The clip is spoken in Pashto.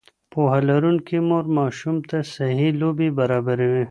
پوهه لرونکې مور ماشوم ته صحي لوبې برابروي.